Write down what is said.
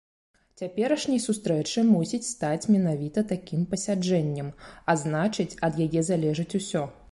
Цяперашняй сустрэчы мусіць стаць менавіта такім пасяджэннем, а значыць, ад яе залежыць усё.